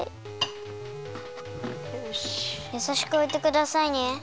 やさしくおいてくださいね。